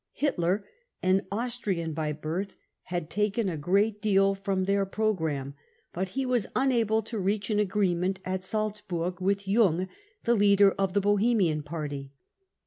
Hitler, an Austrian by birth, had taken a great deal from 20 BROWN BOOK OF THE HITLER TERROR I ' their programme. But he was unable to reach an agreement at Salzburg with Jung, the leader of the Bohemian Party.